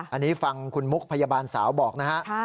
อันนี้ฟังคุณมุกพยาบาลสาวบอกนะฮะ